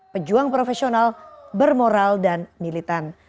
pejuang profesional bermoral dan militan